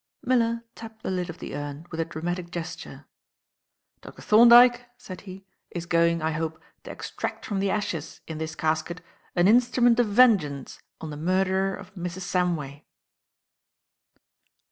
Miller tapped the lid of the urn with a dramatic gesture. "Dr. Thorndyke," said he, "is going, I hope, to extract from the ashes in this casket an instrument of vengeance on the murderer of Mrs. Samway."